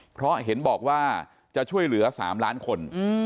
เพราะเห็นบอกว่าจะช่วยเหลือ๓ล้านคน